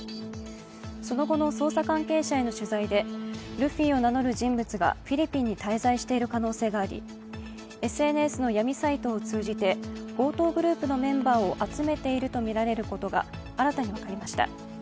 その後の捜査関係者への取材で、ルフィを名乗る人物がフィリピンに滞在している可能性があり、ＳＮＳの闇サイトを通じて強盗グループのメンバーを集めているとみられることが新たに分かりました。